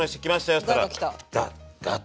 っつったらダッ！